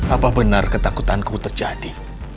apa benar ketakutanku terjadi